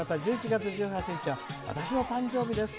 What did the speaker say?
「１１月１８日は私の誕生日です」